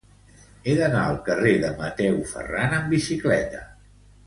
He d'anar al carrer de Mateu Ferran amb bicicleta.